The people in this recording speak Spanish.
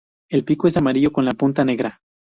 El pico es amarillo, con la punta negra.